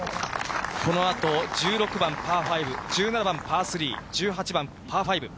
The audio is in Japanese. このあと１６番パー５、１７番パー３、１８番パー５。